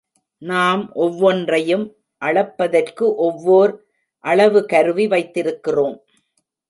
நாம் ஒவ்வொன்றையும் அளப்பதற்கு ஒவ்வோர் அளவு கருவி வைத்திருக்கிறோம்.